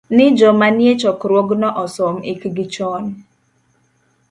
ni joma nie chokruogno osom, ikgi chon.